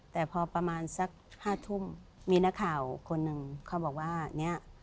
แต่พอประมาณสัก๕ทุ่มมีนักข่าวคนหนึ่งเขาบอกว่าเนี่ย